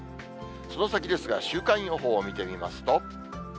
その先ですが、週間予報を見てみますと。